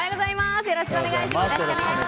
よろしくお願いします。